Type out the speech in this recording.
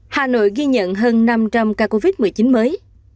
hà nội ghi nhận hơn năm trăm linh ca covid một mươi chín mới